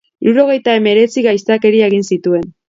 Hirurogeita hemeretzi gaiztakeria egin zituen.